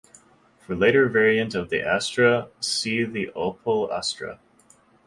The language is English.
For later variant of the Astra, see the Opel Astra.